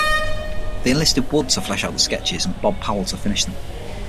They enlisted Wood to flesh out the sketches and Bob Powell to finish them.